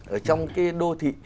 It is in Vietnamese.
ở trong cái đô thị